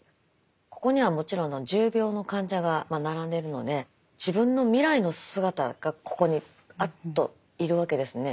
ここにはもちろん重病の患者が並んでいるので自分の未来の姿がここにいるわけですね。